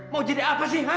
mau jadi apa sih hah